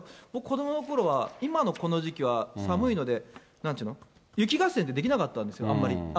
僕、子どものころは、今のこの時期は寒いので、なんて言うの、雪合戦ってできなかったんですよ、あんまり。